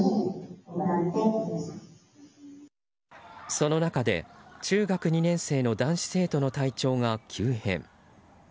その中で、中学２年生の男子生徒の体調が急変。